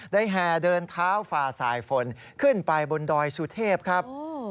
ได้แห่เดินเท้าฝาสายฟนขึ้นไปบนดอยสูทธิบครับ